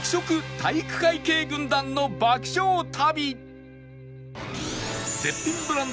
体育会系軍団の爆笑旅